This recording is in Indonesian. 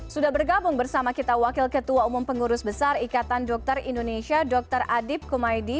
sudah bergabung bersama kita wakil ketua umum pengurus besar ikatan dokter indonesia dr adib kumaydi